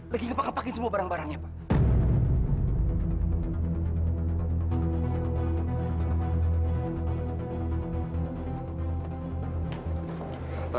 lagi kepake kepakin semua barang barangnya pak